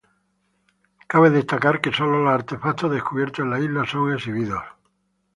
Cabe destacar que sólo los artefactos descubiertos en la isla son exhibidos.